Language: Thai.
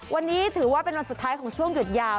วันนี้ถือว่าเป็นวันสุดท้ายของช่วงหยุดยาว